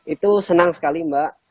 itu senang sekali mbak